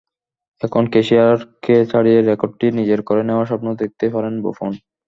এখন ক্যাসিয়াসকে ছাড়িয়ে রেকর্ডটি নিজের করে নেওয়ার স্বপ্ন দেখতেই পারেন বুফন।